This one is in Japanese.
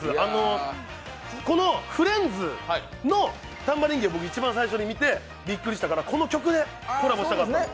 この「フレンズ」の曲を一番最初に見てびっくりしたからこの曲でコラボしたかった。